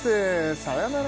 さようなら